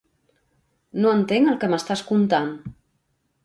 No entenc el que m'estàs contant.